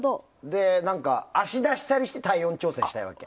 足出したりして体温調節したいわけ。